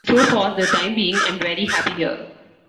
So for the time being, I'm very happy here.